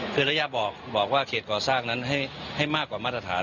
คือระยะบอกว่าเขตก่อสร้างนั้นให้มากกว่ามาตรฐาน